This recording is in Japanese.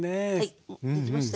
できましたよ。